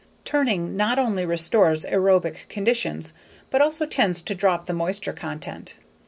Turning not only restores aerobic conditions, but also tends to drop the moisture content.